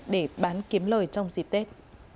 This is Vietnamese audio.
để bán kiếm lời trong dịp tết